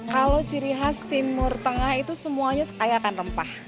kalau ciri khas timur tengah itu semuanya kayakan rempah